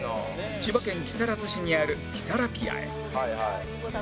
千葉県木更津市にあるキサラピアへ